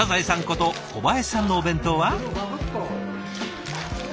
こと小林さんのお弁当は？